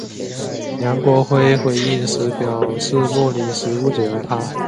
梁国辉回应时表示莫礼时误解了他。